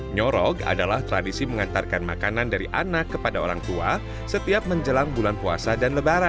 nyorog adalah tradisi mengantarkan makanan dari anak kepada orang tua setiap menjelang bulan puasa dan lebaran